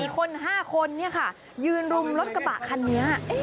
๔คน๕คนเนี่ยค่ะยืนรุมรถกระบะคันนี้